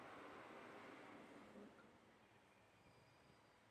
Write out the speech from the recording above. Petrov mohl informovat nadřízené o celém incidentu.